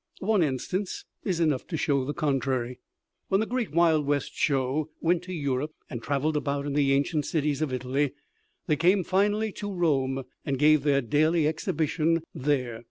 One instance is enough to show the contrary. When the great Wild West Show went to Europe and traveled about in the ancient cities of Italy, they came finally to Rome and gave their daily exhibition there.